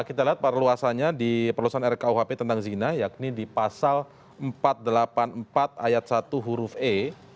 kita lihat perluasannya di perluasan rkuhp tentang zina yakni di pasal empat ratus delapan puluh empat ayat satu huruf e